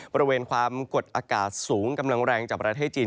บริเวณความกดอากาศสูงกำลังแรงจากประเทศจีน